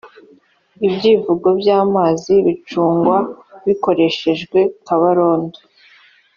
ibyivugo by’amazi bicungwa, bikoreshwa kabarondo.